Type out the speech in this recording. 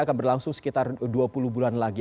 akan berlangsung sekitar dua puluh bulan lagi